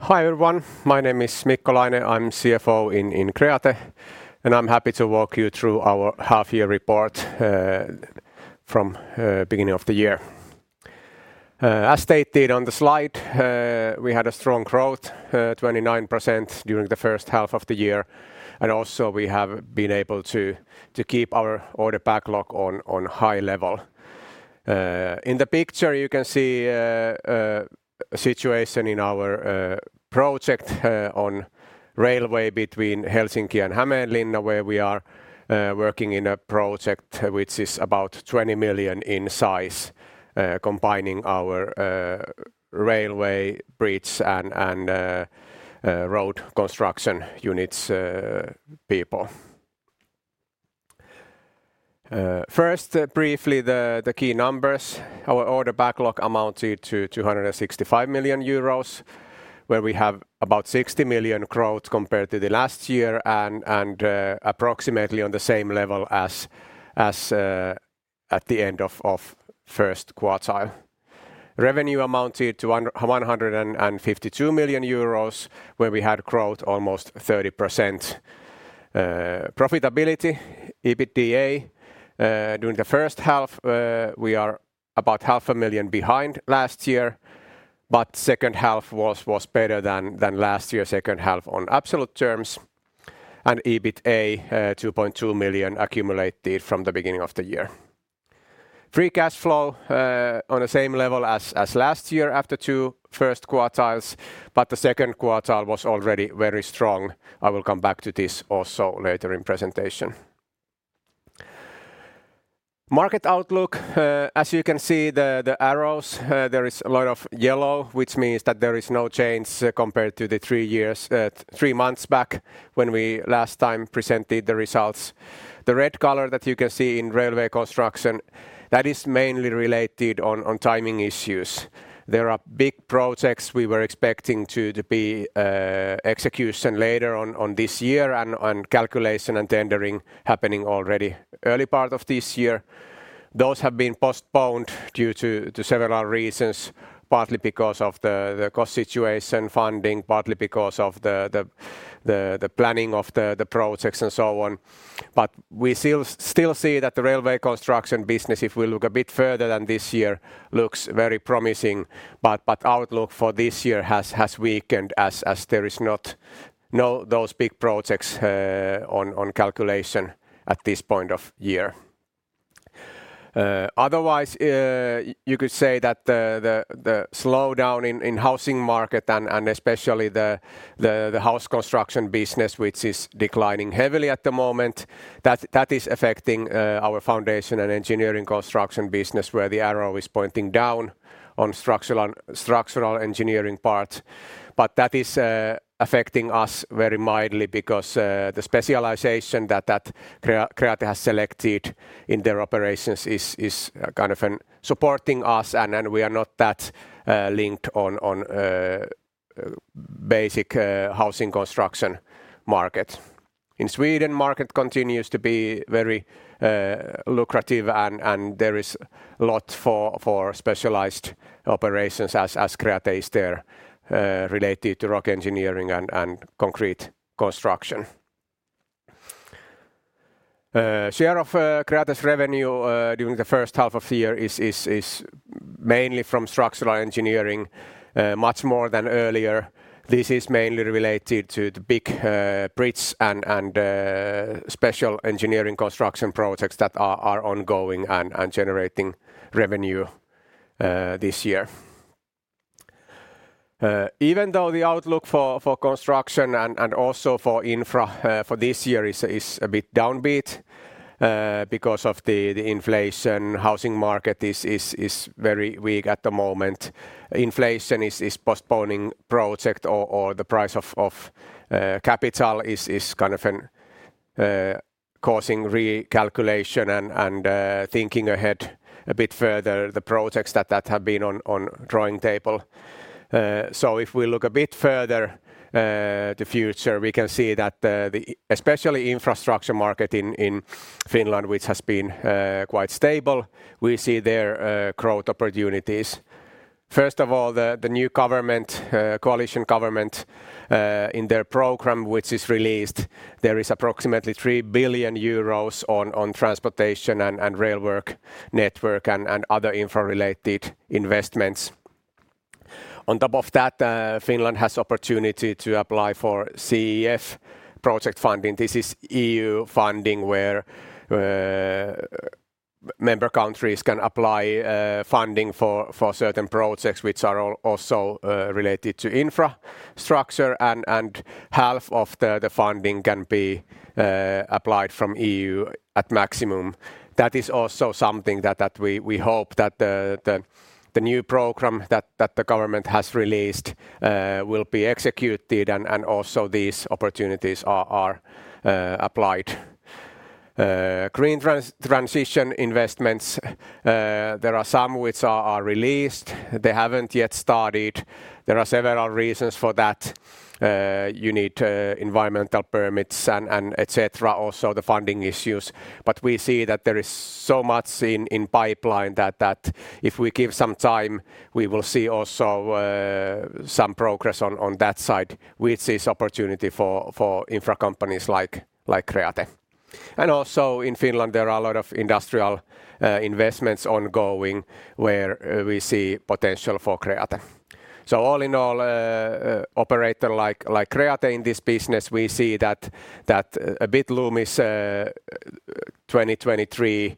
Hi, everyone. My name is Mikko Laine. I'm CFO in Kreate, and I'm happy to walk you through our half-year report from beginning of the year. As stated on the slide, we had a strong growth, 29% during the first half of the year, and also we have been able to keep our order backlog on high level. In the picture, you can see situation in our project on railway between Helsinki and Hämeenlinna, where we are working in a project which is about 20 million in size, combining our railway, bridge, and road construction units people. First, briefly, the key numbers. Our order backlog amounted to 265 million euros, where we have about 60 million growth compared to the last year, approximately on the same level as at the end of first quartile. Revenue amounted to 152 million euros, where we had growth almost 30%. Profitability, EBITDA, during the first half, we are about EUR half a million behind last year, but second half was better than last year's second half on absolute terms, and EBITA, 2.2 million accumulated from the beginning of the year. Free cash flow, on the same level as last year after two first quartiles, but the second quartile was already very strong. I will come back to this also later in presentation. Market outlook, as you can see, the arrows, there is a lot of yellow, which means that there is no change compared to the 3 years... 3 months back when we last time presented the results. The red color that you can see in railway construction, that is mainly related on timing issues. There are big projects we were expecting to be execution later on this year and on calculation and tendering happening already early part of this year. Those have been postponed due to several reasons, partly because of the cost situation, funding, partly because of the planning of the projects, and so on. We still see that the railway construction business, if we look a bit further than this year, looks very promising. Outlook for this year has weakened as there is not those big projects on calculation at this point of year. Otherwise, you could say that the slowdown in housing market and especially the house construction business, which is declining heavily at the moment, that is affecting our foundation and engineering construction business, where the arrow is pointing down on structural engineering part. That is affecting us very mildly because the specialization that Kreate has selected in their operations is kind of an supporting us, and then we are not that linked on basic housing construction market. In Sweden, market continues to be very lucrative and there is a lot for specialized operations as Kreate is there, related to rock engineering and concrete construction. Share of Kreate's revenue during the first half of the year is mainly from structural engineering, much more than earlier. This is mainly related to the big bridge and special engineering construction projects that are ongoing and generating revenue this year. Even though the outlook for construction and also for infra for this year is a bit downbeat because of the inflation, housing market is very weak at the moment. Inflation is postponing project or the price of capital is kind of an causing recalculation and thinking ahead a bit further, the projects that have been on drawing table. If we look a bit further, the future, we can see that the especially infrastructure market in Finland, which has been quite stable, we see there growth opportunities. First of all, the new government, coalition government, in their program, which is released, there is approximately 3 billion euros on transportation and rail work network and other infra-related investments. On top of that, Finland has opportunity to apply for CEF project funding. This is EU funding, where member countries can apply funding for certain projects which are also related to infrastructure, and half of the funding can be applied from EU at maximum. That is also something that we hope that the new program that the government has released will be executed and also these opportunities are applied. Green transition investments, there are some which are released. They haven't yet started. There are several reasons for that. You need environmental permits and et cetera, also the funding issues. We see that there is so much in pipeline that if we give some time, we will see also some progress on that side, which is opportunity for infra companies like Kreate. In Finland, there are a lot of industrial investments ongoing where we see potential for Kreate. So all in all, an operator like Kreate in this business, we see that a bit of a gloom is 2023,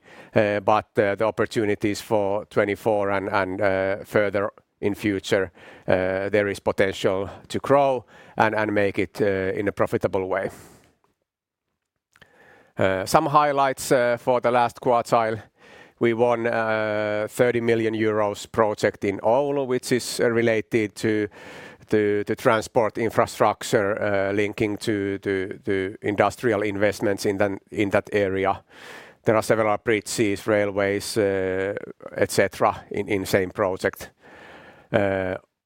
but the opportunities for 2024 and further in future, there is potential to grow and make it in a profitable way. Some highlights for the last quarter: We won a 30 million euros project in Oulu, which is related to the transport infrastructure, linking to the industrial investments in that area. There are several bridges, railways, et cetera, in the same project.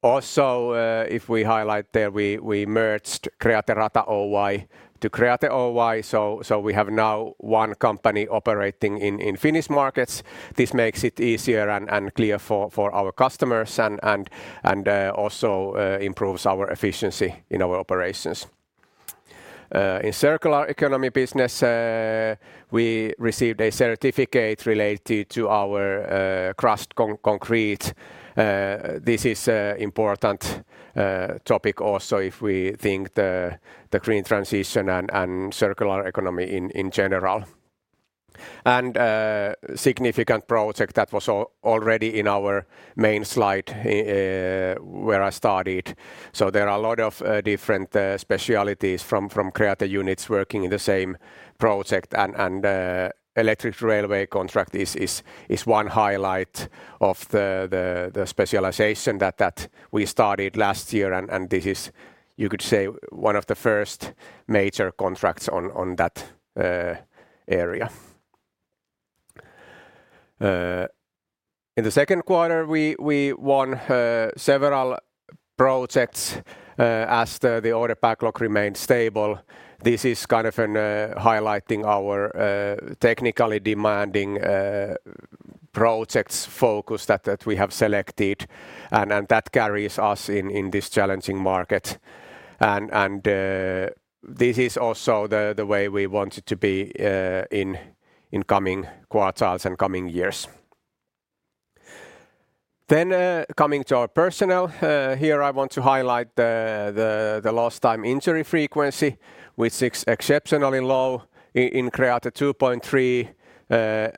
Also, if we highlight there, we merged Kreate Rata Oy to Kreate Oy, so we have now one company operating in Finnish markets. This makes it easier and clear for our customers, and also improves our efficiency in our operations. In circular economy business, we received a certificate related to our crushed concrete. This is a important topic also if we think the green transition and circular economy in general. Significant project that was already in our main slide, where I started. There are a lot of different specialities from Kreate units working in the same project, and electric railway contract is one highlight of the specialisation that we started last year, and this is, you could say, one of the first major contracts on that area. In the second quarter, we won several projects, as the order backlog remained stable. This is kind of an highlighting our technically demanding projects focus that we have selected, and that carries us in this challenging market. This is also the way we want it to be in coming quarters and coming years. Coming to our personnel, here I want to highlight the Lost Time Injury Frequency, which is exceptionally low in Kreate, 2.3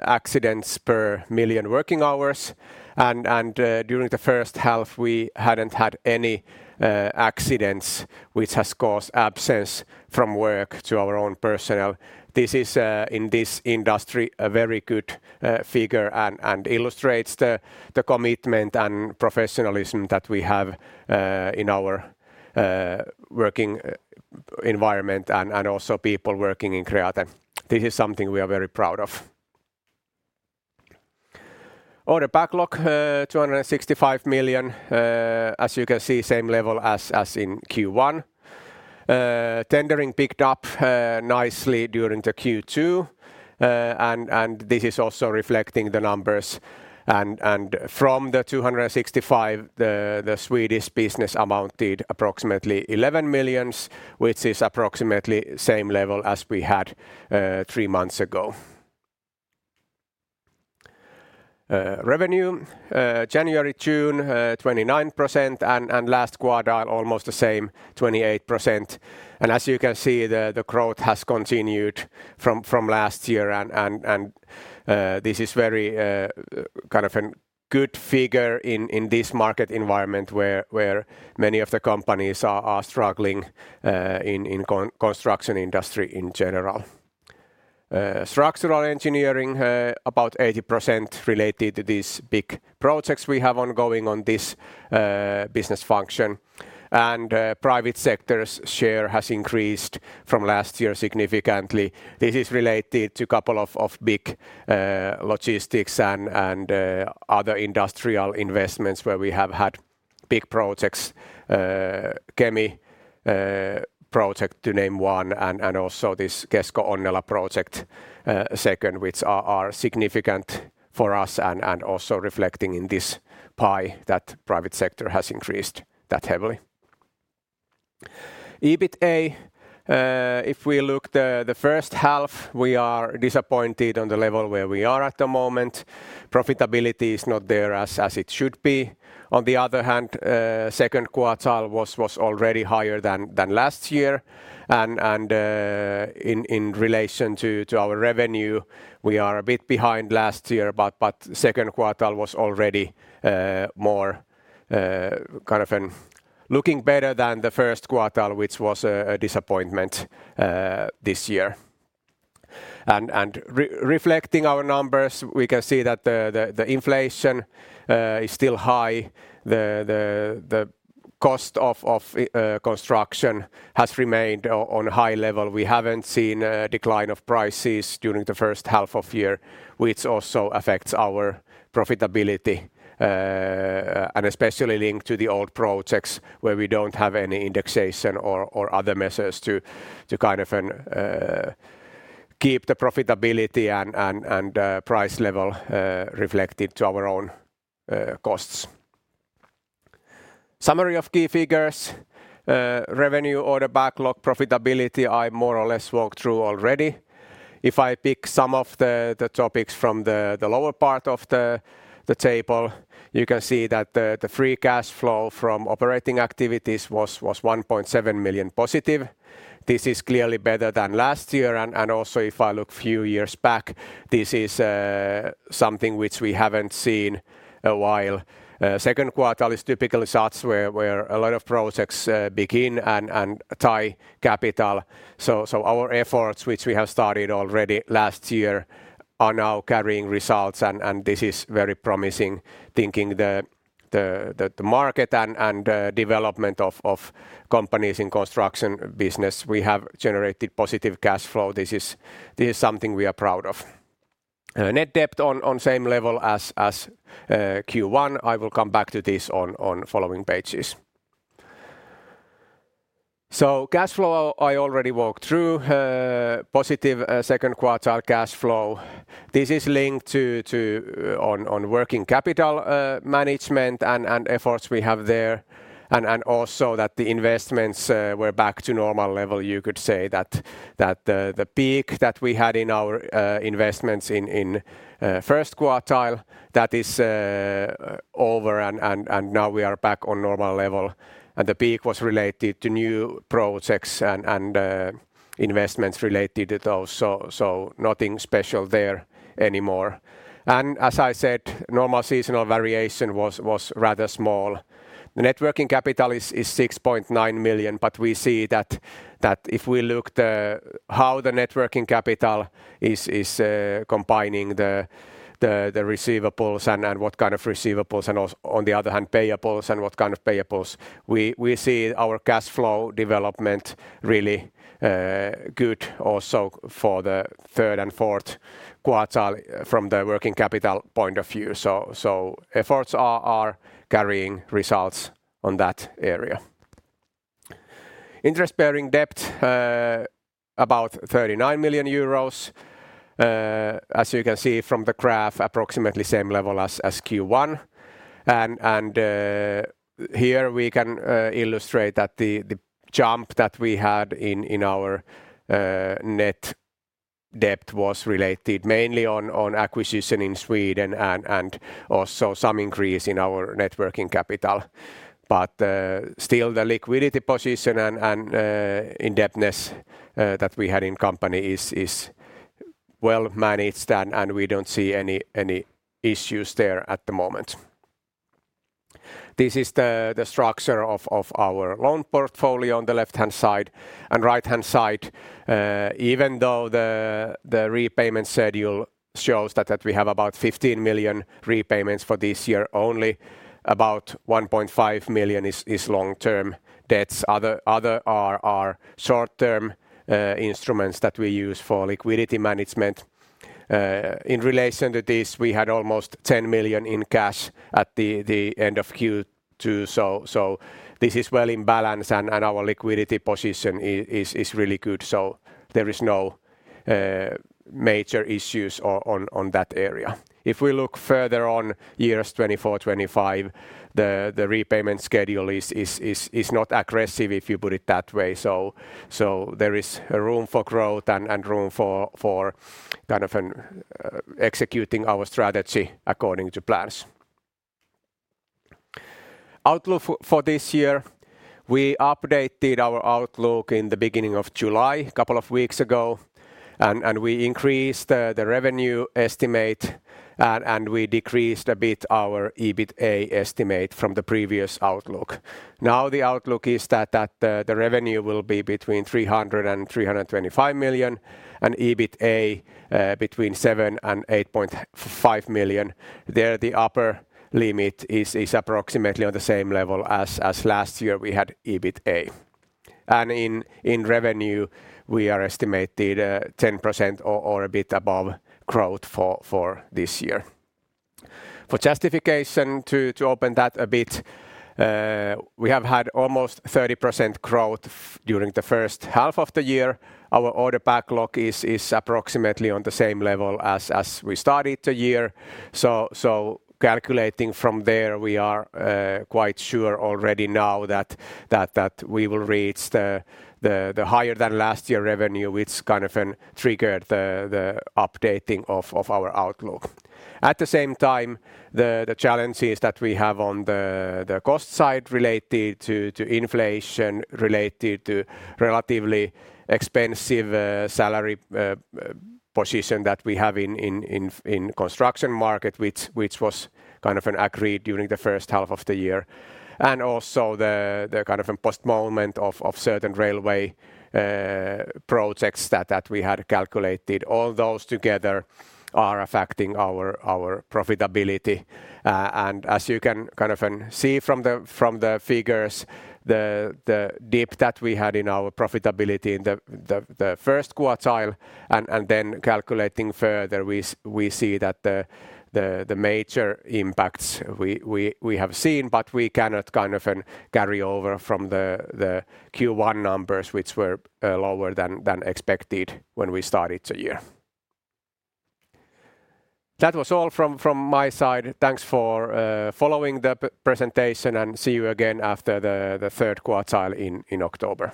accidents per million working hours. During the first half, we hadn't had any accidents which has caused absence from work to our own personnel. This is in this industry, a very good figure and illustrates the commitment and professionalism that we have in our working environment and also people working in Kreate. This is something we are very proud of. Order backlog 265 million, as you can see, same level as in Q1. Tendering picked up nicely during the Q2, and this is also reflecting the numbers. From the 265 million, the Swedish business amounted approximately 11 million, which is approximately same level as we had three months ago. Revenue January, June 29%, and last quartile, almost the same, 28%. As you can see, the growth has continued from last year, and this is very kind of a good figure in this market environment, where many of the companies are struggling in construction industry in general. Structural engineering, about 80% related to these big projects we have ongoing on this business function. Private sector's share has increased from last year significantly. This is related to a couple of big logistics and other industrial investments where we have had big projects, Kemi project, to name one, and also this Kesko Onninen project, second, which are significant for us and also reflecting in this pie that private sector has increased that heavily. EBITDA, if we look the first half, we are disappointed on the level where we are at the moment. Profitability is not there as it should be. On the other hand, second quartile was already higher than last year. In relation to our revenue, we are a bit behind last year, second quartile was already more looking better than the first quartile, which was a disappointment this year. Reflecting our numbers, we can see that the inflation is still high. The cost of construction has remained on a high level. We haven't seen a decline of prices during the first half of year, which also affects our profitability, and especially linked to the old projects where we don't have any indexation or other measures to kind of keep the profitability and price level reflected to our own costs. Summary of key figures. Revenue, order backlog, profitability, I more or less walked through already. If I pick some of the topics from the lower part of the table, you can see that the free cash flow from operating activities was 1.7 million positive. This is clearly better than last year, and also if I look few years back, this is something which we haven't seen in a while. Second quarter is typical starts where a lot of projects begin and tie capital. Our efforts, which we have started already last year, are now carrying results, and this is very promising, thinking the market and development of companies in construction business. We have generated positive cash flow. This is something we are proud of. Net debt on same level as Q1. I will come back to this on the following pages. Cash flow, I already walked through, positive second quarter cash flow. This is linked to on working capital management and efforts we have there, and also that the investments were back to normal level. You could say that the peak that we had in our investments in first quartile, that is over, and now we are back on normal level. The peak was related to new projects and investments related to those, so nothing special there anymore. As I said, normal seasonal variation was rather small. The net working capital is 6.9 million, but we see that if we look how the net working capital is combining the receivables and what kind of receivables, and on the other hand, payables and what kind of payables, we see our cash flow development really good also for the third and fourth quartile from the working capital point of view. Efforts are carrying results on that area. Interest-bearing debt, about 39 million euros. As you can see from the graph, approximately same level as Q1. Here we can illustrate that the jump that we had in our net debt was related mainly on acquisition in Sweden and also some increase in our net working capital. Still the liquidity position and indebtedness that we had in company is well managed, and we don't see any issues there at the moment. This is the structure of our loan portfolio on the left-hand side and right-hand side. Even though the repayment schedule shows that we have about 15 million repayments for this year, only about 1.5 million is long-term debts. Other are short-term instruments that we use for liquidity management. In relation to this, we had almost 10 million in cash at the end of Q2, this is well in balance, and our liquidity position is really good. There is no major issues on that area. If we look further on years 2024, 2025, the repayment schedule is not aggressive, if you put it that way. There is room for growth and room for kind of an executing our strategy according to plans. Outlook for this year, we updated our outlook in the beginning of July, a couple of weeks ago, and we increased the revenue estimate, and we decreased a bit our EBITA estimate from the previous outlook. The outlook is that the revenue will be between 300 million and 325 million, and EBITA between 7 million and 8.5 million. There, the upper limit is approximately on the same level as last year we had EBITA. In revenue, we are estimated 10% or a bit above growth for this year. For justification, to open that a bit, we have had almost 30% growth during the first half of the year. Our order backlog is approximately on the same level as we started the year. Calculating from there, we are quite sure already now that we will reach the higher than last year revenue, which kind of an triggered the updating of our outlook. At the same time, the challenges that we have on the cost side related to inflation, related to relatively expensive salary position that we have in construction market, which was kind of an agreed during the first half of the year, and also the kind of a postponement of certain railway projects that we had calculated, all those together are affecting our profitability. As you can kind of, see from the figures, the dip that we had in our profitability in the first quartile, and then calculating further, we see that the major impacts we have seen, but we cannot kind of, carry over from the Q1 numbers, which were lower than expected when we started the year. That was all from my side. Thanks for following the presentation, and see you again after the third quartile in October.